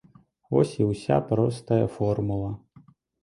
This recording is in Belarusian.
Вось і ўся простая формула.